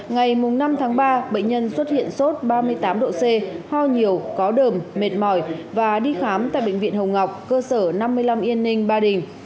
ngày năm tháng ba bệnh nhân xuất hiện sốt ba mươi tám độ c ho nhiều có đờm mệt mỏi và đi khám tại bệnh viện hồng ngọc cơ sở năm mươi năm yên ninh ba đình